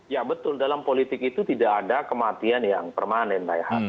ya betul dalam politik itu tidak ada kematian yang permanen